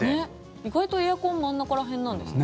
意外とエアコン真ん中ら辺なんですね。